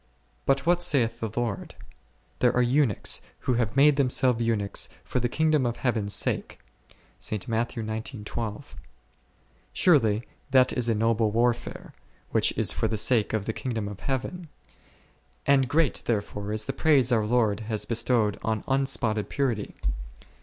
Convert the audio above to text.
But what saith the Lord : There are eunuchs, who have made themselves eunuchs for the kingdom of Heaven s sake 11 . Surely that is a noble war fare, which is for the sake of the kingdom of Heaven, and great therefore is the praise our Lord has be stowed on unspotted purity.